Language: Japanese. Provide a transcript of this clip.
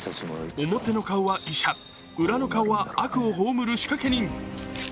表の顔は医者、裏の顔は悪を葬る仕掛け人。